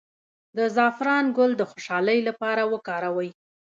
د زعفران ګل د خوشحالۍ لپاره وکاروئ